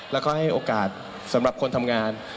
แล้วก็ให้โอกาสสำหรับคนทำงาน